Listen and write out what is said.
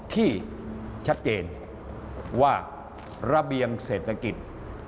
ที่ชัดเจนว่าระเบียงเศรษฐกิจ